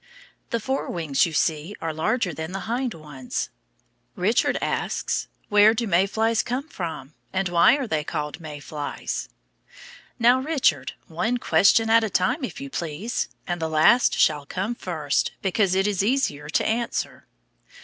The fore wings, you see, are larger than the hind ones. Richard asks, "Where do May flies come from? and why are they called May flies?" Now, Richard, one question at a time, if you please, and the last shall come first because it is easier to answer.